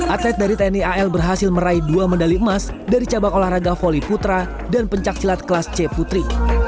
atlet dari tni al berhasil meraih dua medali emas dari cabang olahraga voli putra dan pencaksilat kelas c putri